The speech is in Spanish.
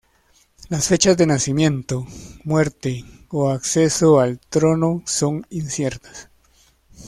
Las fechas de nacimiento, muerte o acceso al trono son inciertas.